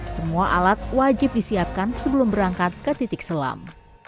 semua alat wajib disiapkan sebelum berangkat ke titik selam